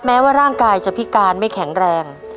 แม้ว่าร่างกายจะพิการไม่แข็งแรง